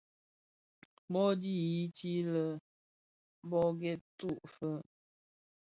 Bō dhi di yiti lè bō ghèbku fe?